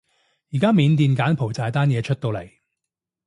而家緬甸柬埔寨單嘢出到嚟